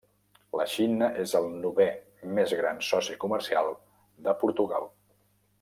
La Xina és el novè més gran soci comercial de Portugal.